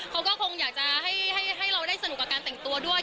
เขาก็คงอยากจะให้เราได้สนุกกับการแต่งตัวด้วย